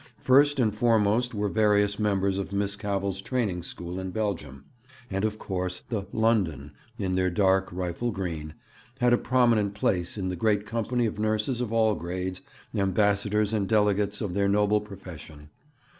First and foremost were various members of Miss Cavell's training school in Belgium; and, of course, the 'London,' in their dark rifle green, had a prominent place in the great company of nurses of all grades, ambassadors and delegates of their noble profession.